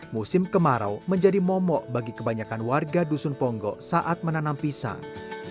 musim kemarau menjadi momok bagi kebanyakan warga dusun ponggo saat menanam pisang